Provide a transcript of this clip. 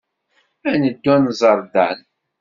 Ad neddu ad nẓer Dan.